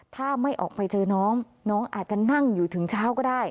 ถ้าไม่ออกไปเจอน้องน้องอาจจะนั่งอยู่ถึงเช้าก็ได้